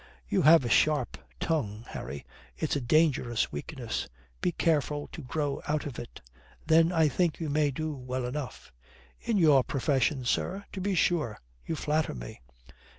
"You have a sharp tongue, Harry. It's a dangerous weakness. Be careful to grow out of it. Then I think you may do well enough." "In your profession, sir? To be sure, you flatter me."